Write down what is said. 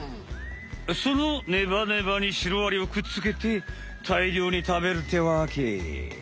そのネバネバにシロアリをくっつけてたいりょうに食べるってわけ！